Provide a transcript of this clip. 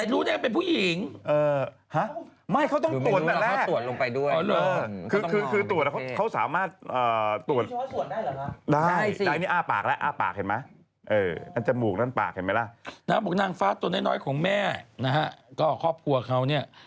ได้ผู้ชายคนหญิงก็เคย